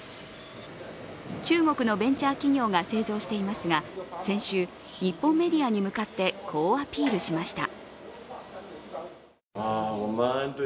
中国のベンチャー企業が製造していますが先週、日本メディアに向かってこうアピールしました。